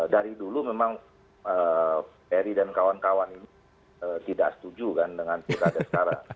dari dulu memang eri dan kawan kawan ini tidak setuju kan dengan pilkada sekarang